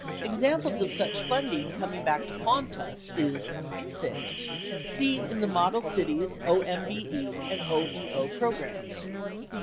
Examples of such funding coming back to haunt us is seen in the Model Cities, OMBE, and OEO programs.